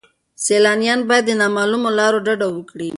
سیلانیان باید له نامعلومو لارو ډډه وکړي.